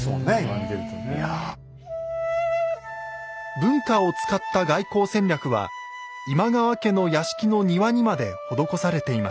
文化を使った外交戦略は今川家の屋敷の庭にまで施されていました。